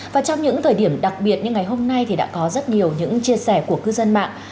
và trong những thời điểm đặc biệt như ngày hôm nay thì đã có rất nhiều những chia sẻ của cư dân mạng